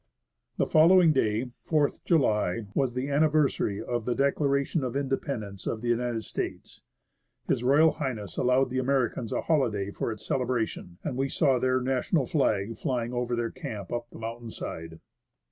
The following day, 4th July, was the anniversary of the Declaration of Independence of the United States. H.R. H. allowed the Americans a holiday for its celebration ; and we saw their national flag flying over their camp up the mountain side.